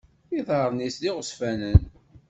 Iḍaṛṛen-is d iɣezzfanen.